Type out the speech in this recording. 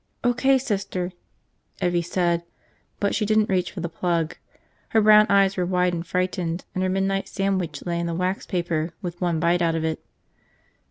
"O.K., Sister," Evvie said, but she didn't reach for the plug. Her brown eyes were wide and frightened, and her midnight sandwich lay in the wax paper with one bite out of it.